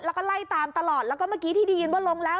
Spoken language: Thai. แล้วก็ไล่ตามตลอดแล้วก็เมื่อกี้ที่ได้ยินว่าลงแล้ว